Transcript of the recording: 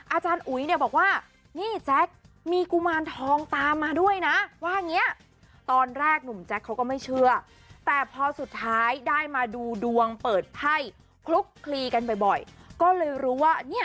อาจารย์อุ๋ยเนี่ยบอกว่านี่แจ็คมีกุมารทองตามมาด้วยนะว่าอย่างเงี้ย